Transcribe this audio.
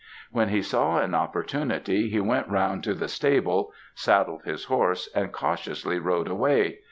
When he saw an opportunity, he went round to the stable, saddled his horse, and cautiously rode away.